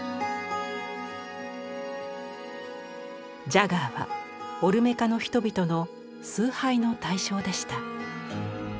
ジャガーはオルメカの人々の崇拝の対象でした。